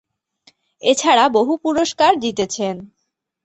এছাড়া বহু পুরস্কার জিতেছেন।